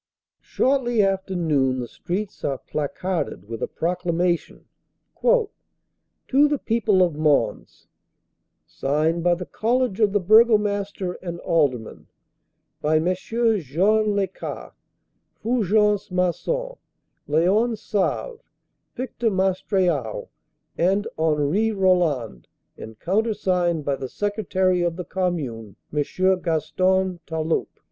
Shortly after noon the streets are placarded with a pro clamation, "To the People of Mons," signed by the College of the Burgomaster and Aldermen By MM. Jean Lescarts, Ful gence Masson, Leon Save, Victor Maistriau and Henri Rol land ; and countersigned by the Secretary of the Commune, M. Gaston Talaupe.